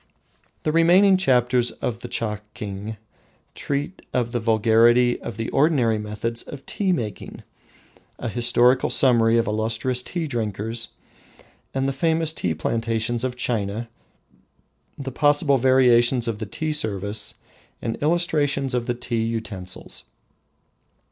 The remaining chapters of the "Chaking" treat of the vulgarity of the ordinary methods of tea drinking, a historical summary of illustrious tea drinkers, the famous tea plantations of China, the possible variations of the tea service and illustrations of the tea utensils.